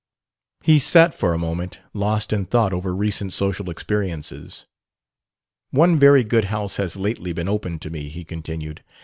He sat for a moment, lost in thought over recent social experiences. "One very good house has lately been opened to me," he continued.